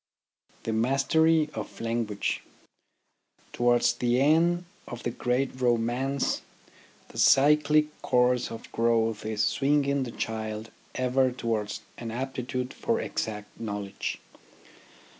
THE MASTERY OF LANGUAGE Towards the end of the great romance the cyclic course of growth is swinging the child ever towards an aptitude for exact knowledge.